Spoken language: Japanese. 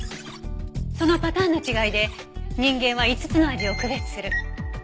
そのパターンの違いで人間は５つの味を区別する。